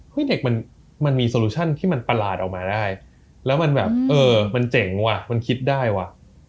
เด็กมันมันมีโซลูชั่นที่มันประหลาดออกมาได้แล้วมันแบบเออมันเจ๋งว่ะมันคิดได้ว่ะ